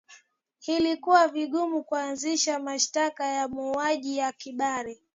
ilikuwa vigumu kuanzisha mashtaka ya mauaji ya kimbari